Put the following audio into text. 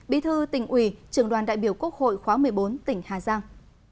bí thư tỉnh ủy trường đoàn đại biểu quốc hội khóa một mươi bốn tỉnh hà giang